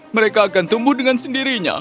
mereka akan tumbuh dengan sendirinya